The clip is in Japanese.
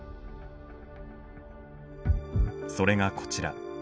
それがこちら。